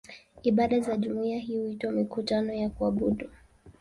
Ibada za jumuiya hii huitwa "mikutano ya kuabudu".